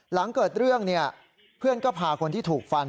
หลังเกิดเรื่องเพื่อนก็พาคนที่ถูกฟัน